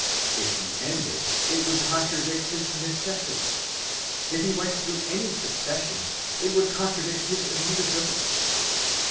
If He ended, it would contradict his necessity. If He went through any succession, it would contradict his immutability.